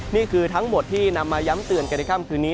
นี่คือทั้งหมดที่นำมาย้ำเตือนกันในค่ำคืนนี้